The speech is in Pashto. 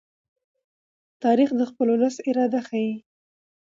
تاریخ د خپل ولس اراده ښيي.